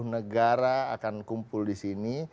lima puluh negara akan kumpul di sini